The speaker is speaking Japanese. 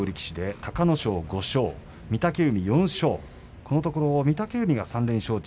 隆の勝５勝、御嶽海４勝このところ御嶽海が３連勝中。